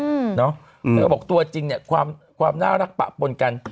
แล้วก็บอกตัวจริงเนี่ยความน่ารักปะปนกัน